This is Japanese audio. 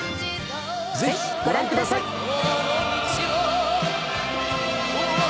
ぜひご覧ください。